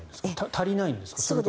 足りないんですか。